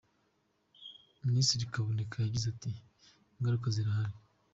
Minisitiri Kaboneka yagize ati "Ingaruka zirahari.